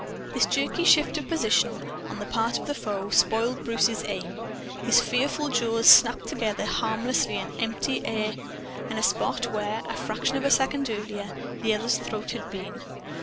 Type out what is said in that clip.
This jerky shift of position, on the part of the foe, spoiled Bruce's aim. His fearful jaws snapped together harmlessly in empty air at a spot where, a fraction of a second earlier, the other's throat had been.